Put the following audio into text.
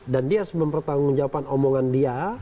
dan dia harus mempertanggung jawaban omongan dia